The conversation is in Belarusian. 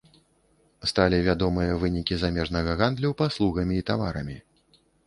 Сталі вядомыя вынікі замежнага гандлю паслугамі і таварамі.